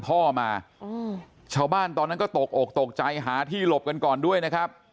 พ่อมาชาวบ้านตอนนั้นก็ตกอกตกใจหาที่หลบกันก่อนด้วยนะครับ